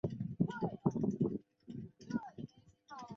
跟开店的姑妈一起住